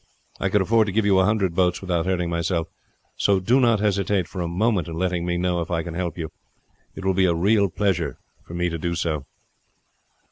I could afford to give you a hundred boats without hurting myself, so do not hesitate for a moment in letting me know if I can help you. It will be a real pleasure to me to do so."